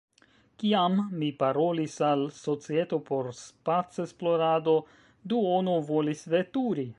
Kiam mi parolis al societo por spacesplorado, duono volis veturi.